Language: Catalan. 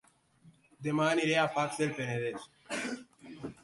Dema aniré a Pacs del Penedès